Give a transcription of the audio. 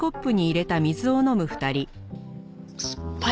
酸っぱい。